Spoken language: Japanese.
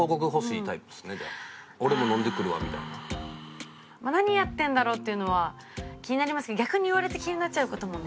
「俺も飲んでくるわ」みたいな。何やってるんだろう？っていうのは気になりますけど逆に言われて気になっちゃう事もね。